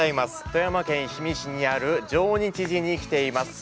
富山県氷見市にある上日寺に来ています。